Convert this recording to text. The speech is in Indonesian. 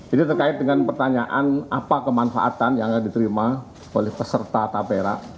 ini terkait dengan pertanyaan apa kemanfaatan yang akan diterima oleh peserta tapera